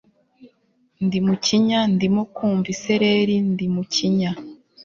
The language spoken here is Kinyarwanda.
ndi mukinya, ndimo kumva isereri ndi mukinya